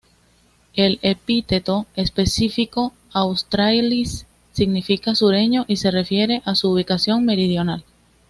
El epíteto específico "australis" significa "sureño" y se refiere a su ubicación meridional.